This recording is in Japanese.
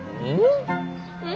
うん？